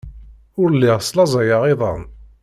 Ur lliɣ slaẓayeɣ iḍan.